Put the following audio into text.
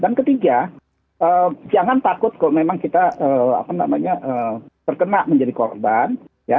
dan ketiga jangan takut kalau memang kita terkena menjadi korban